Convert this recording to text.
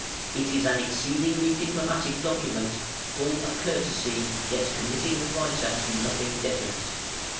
It is an exceedingly diplomatic document, full of courtesy, yet committing the writer to nothing definite.